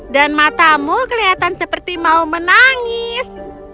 dan matamu kelihatan seperti mau menangis